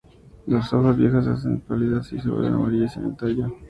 Las hojas viejas se hacen pálidas y se vuelven amarillas en el tallo.